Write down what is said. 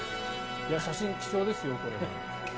写真、貴重ですよこれは。